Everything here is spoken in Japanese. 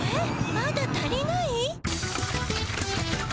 まだ足りない？